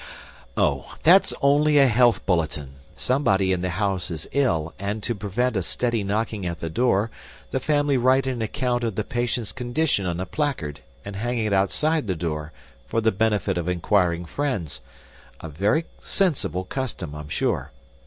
"Oh, that's only a health bulletin. Somebody in the house is ill, and to prevent a steady knocking at the door, the family write an account of the patient's condition on a placard and hang it outside the door, for the benefit of inquiring friends a very sensible custom, I'm sure.